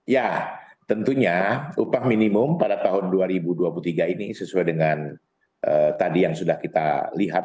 ya tentunya upah minimum pada tahun dua ribu dua puluh tiga ini sesuai dengan tadi yang sudah kita lihat